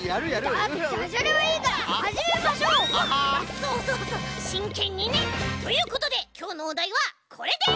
そうそうそうしんけんにね。ということできょうのおだいはこれです。